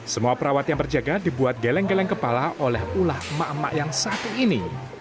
semua perawat yang berjaga dibuat geleng geleng kepala oleh ulah emak emak yang satu ini